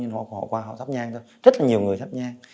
họ thắp nhang rất là nhiều người thắp nhang